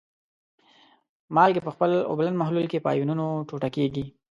مالګې په خپل اوبلن محلول کې په آیونونو ټوټه کیږي.